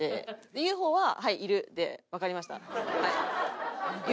ＵＦＯははい「いる」でわかりました。